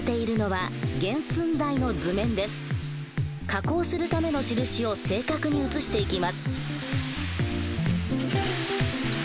加工するための印を正確に写していきます。